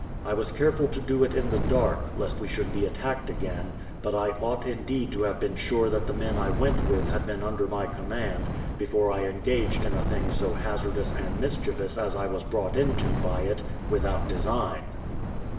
I was careful to do it in the dark, lest we should be attacked again: but I ought indeed to have been sure that the men I went with had been under my command, before I engaged in a thing so hazardous and mischievous as I was brought into by it, without design.